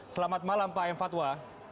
selamat malam pak m fatwa